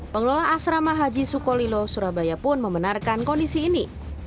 pengelola asrama haji sukolilo surabaya pun membenarkan kondisi ini